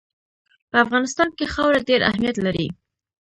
په افغانستان کې خاوره ډېر اهمیت لري.